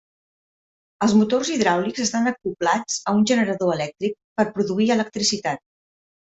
Els motors hidràulics estan acoblats a un generador elèctric per produir electricitat.